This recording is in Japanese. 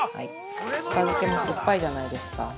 しば漬けも酸っぱいじゃないですか。